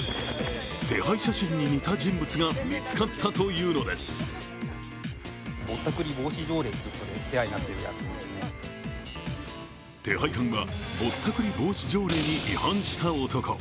手配写真に似た人物が見つかったというのです手配犯は、ぼったくり防止条例に違反した男。